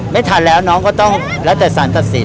ไม่ทันแล้วน้องก็ต้องแล้วแต่สรรทัศน์สิทธิ์